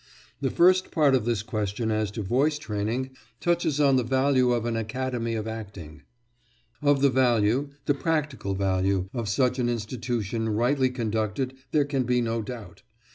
The first part of this question as to voice training touches on the value of an Academy of Acting. Of the value the practical value of such an institution rightly conducted there can be no doubt.